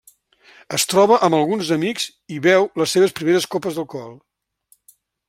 Es troba amb alguns amics i beu les seves primeres copes d'alcohol.